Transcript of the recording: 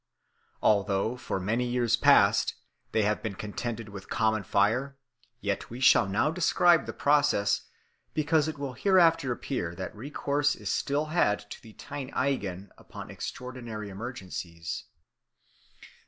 _ Although, for many years past, they have been contented with common fire, yet we shall now describe the process, because it will hereafter appear that recourse is still had to the tein eigin upon extraordinary emergencies.